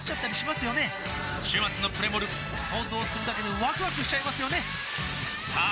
週末のプレモル想像するだけでワクワクしちゃいますよねさあ